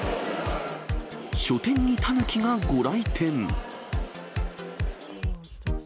書店にタヌキがご来店。